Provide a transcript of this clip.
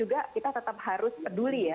kita tetap harus peduli